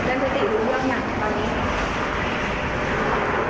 ขอบใจงงเหตุการณ์ตอนนั้นเป็นยังไงบ้าง